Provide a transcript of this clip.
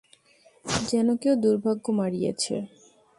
যেন কেউ দুর্ভাগ্য মাড়িয়েছে।